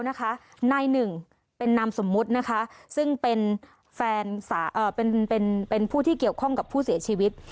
นายหนึ่งเป็นนามสมมุตินะคะซึ่งเป็นผู้ที่เกี่ยวข้องกับผู้เสียชีวิต